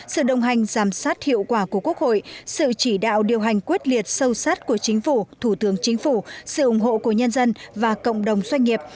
sự đồng hành giám sát hiệu quả của quốc hội sự chỉ đạo điều hành quyết liệt sâu sát của chính phủ thủ tướng chính phủ sự ủng hộ của nhân dân và cộng đồng doanh nghiệp